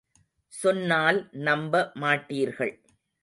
சொன்னால் நம்ப மாட்டீர்கள்.